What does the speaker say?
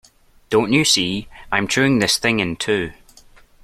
Don't you see, I'm chewing this thing in two.